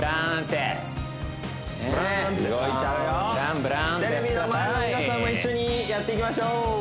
テレビの前の皆さんも一緒にやっていきましょう